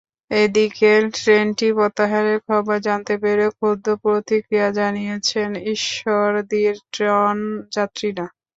এদিকে ট্রেনটি প্রত্যাহারের খবর জানতে পেরে ক্ষুব্ধ প্রতিক্রিয়া জানিয়েছেন ঈশ্বরদীর ট্রেন যাত্রীরা।